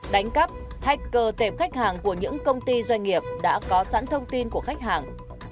hai đánh cắp thách cờ tệp khách hàng của những công ty doanh nghiệp đã có sẵn thông tin của khách hàng